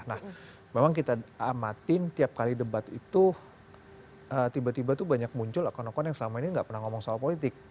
nah memang kita amatin tiap kali debat itu tiba tiba tuh banyak muncul akun akun yang selama ini gak pernah ngomong soal politik